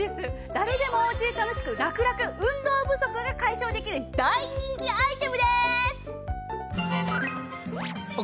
誰でもおうちで楽しくラクラク運動不足が解消できる大人気アイテムでーす！